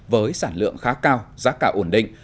với sản lượng khá cao giá cả ổn định